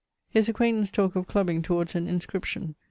His acquaintance talke of clubbing towards an inscription.